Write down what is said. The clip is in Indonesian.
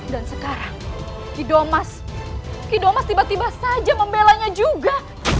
dan sekarang kidomas tiba tiba saja membelanya juga